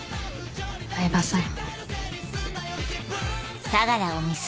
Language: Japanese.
饗庭さん。